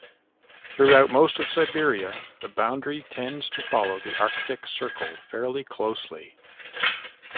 Throughout most of Siberia, the boundary tends to follow the Arctic Circle fairly closely.